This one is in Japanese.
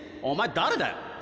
お前誰だよ？